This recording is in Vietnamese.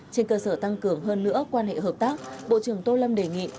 trên cơ sở tăng cường hơn nữa quan hệ hợp tác bộ trưởng tô lâm đề nghị